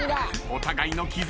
お互いの絆